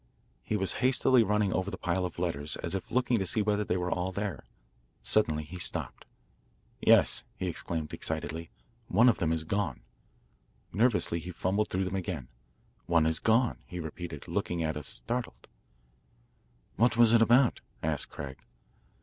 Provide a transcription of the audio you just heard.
He was hastily running over the pile of letters as if looking to see whether they were all there. Suddenly he stopped. "Yes," he exclaimed excitedly, "one of them is gone." Nervously he fumbled through them again. "One is gone," he repeated, looking at us, startled. "What was it about?" asked Craig.